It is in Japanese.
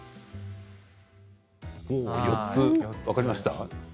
４つ、分かりました？